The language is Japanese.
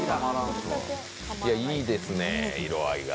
いいですね、色合いが。